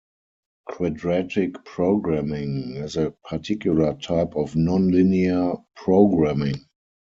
Quadratic programming is a particular type of nonlinear programming.